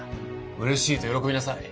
嬉しいと喜びなさい。